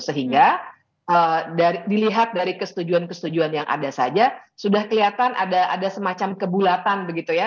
sehingga dilihat dari kesetujuan kesetujuan yang ada saja sudah kelihatan ada semacam kebulatan begitu ya